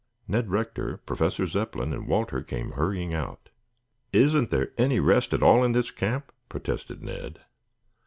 Ned Rector, Professor Zepplin and Walter came hurrying out. "Isn't there any rest at all in this camp?" protested Ned.